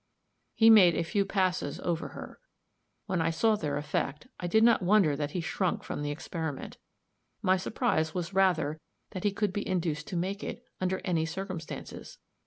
He made a few passes over her; when I saw their effect, I did not wonder that he shrunk from the experiment my surprise was rather that he could be induced to make it, under any circumstances.